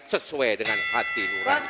sesuai dengan hati nurani